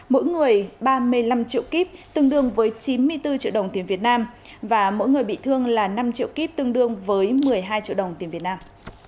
mỗi người ba mươi năm triệu kíp tương đương với chín mươi bốn triệu đồng tiền việt nam và mỗi người bị thương là năm triệu kiếp tương đương với một mươi hai triệu đồng tiền việt nam